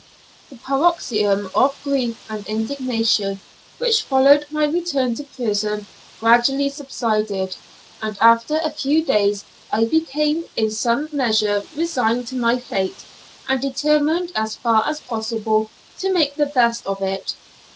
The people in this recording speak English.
The paroxysm of grief and indignation which followed my return to prison gradually subsided, and after a few days I became in some measure resigned to my fate, and determined as far as possible to make the best of it.